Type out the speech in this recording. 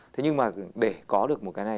thế nhưng mà để có được một cái này